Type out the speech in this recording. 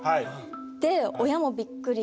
で親もびっくり。